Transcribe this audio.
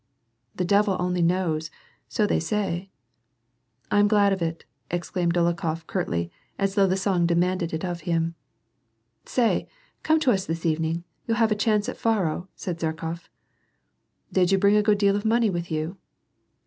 "The devil only knows ; so they sav." " I am glad of it," exclaimed Dolokhof, curtly, as though the song demanded it of him. "Say, come to us this evening. You'll have a chance at faro," said Zherkof. " Did you bring a good deal of money with you